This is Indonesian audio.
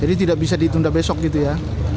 jadi tidak bisa ditunda besok gitu ya